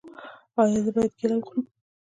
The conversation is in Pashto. ایا زه باید کیله وخورم؟